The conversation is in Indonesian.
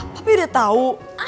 papi udah tau